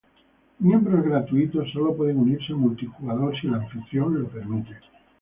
Miembros gratuitos sólo pueden unirse multijugador si el anfitrión lo permite.